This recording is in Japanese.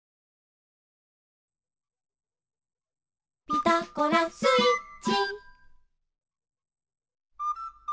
「ピタゴラスイッチ」